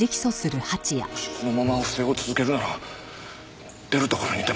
もしこのまま不正を続けるなら出るところに出ますよ。